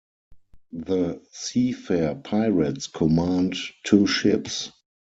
The Seafair Pirates command two ships.